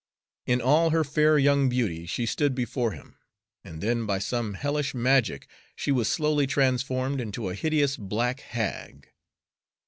In all her fair young beauty she stood before him, and then by some hellish magic she was slowly transformed into a hideous black hag.